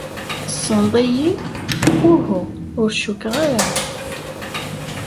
Tessneḍ-iyi? - Uhu, ur cukkeɣ ara.